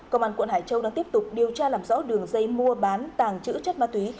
công an quận hải châu đang tiếp tục điều tra làm rõ đường dây mua bán tàng trữ chất ma túy